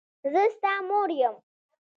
زه ستا مور یم.